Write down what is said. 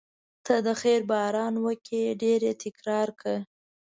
ته د خیر باران وکړې ډېر یې تکرار کړه.